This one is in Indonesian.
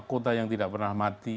kota yang tidak pernah mati